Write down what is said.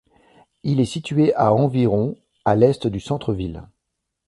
Il est situé à environ à l'est du centre ville.